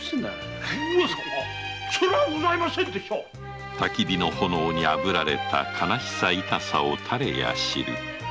上様それはなりなせんたき火の炎にあぶられた悲しさ痛さをだれや知る。